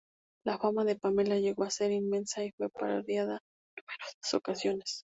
La fama de "Pamela" llegó a ser inmensa, y fue parodiada en numerosas ocasiones.